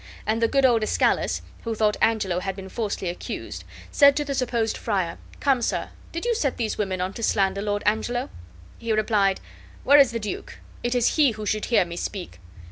And the good old Escalus, who thought Angelo had been falsely accused, said to the supposed friar, "Come, sir, did you set these women on to slander Lord Angelo?" He replied: "Where is the duke? It is he who should hear me speak."